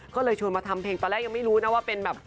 ก็เลยชวนมาทำเพลงตอนแรกยังไม่รู้นะว่าเป็นแบบ